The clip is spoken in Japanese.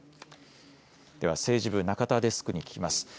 では政治部中田デスクに聞きます。